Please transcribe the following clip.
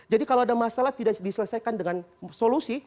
jadi kalau ada masalah tidak diselesaikan dengan solusi